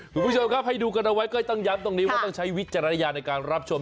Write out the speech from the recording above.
คุณผู้ชมครับให้ดูกันเอาไว้ก็ต้องย้ำตรงนี้ว่าต้องใช้วิจารณญาณในการรับชม